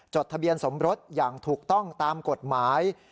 ทะเบียนสมรสอย่างถูกต้องตามกฎหมาย